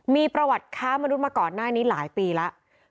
มีประวัติค้ามนุษย์มาก่อนหน้านี้หลายปีแล้ว